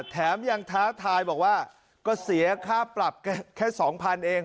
แถมยังท้าทายบอกว่าก็เสียค่าปรับแค่๒๐๐๐เอง